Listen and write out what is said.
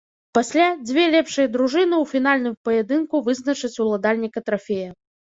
Пасля дзве лепшыя дружыны ў фінальным паядынку вызначаць уладальніка трафея.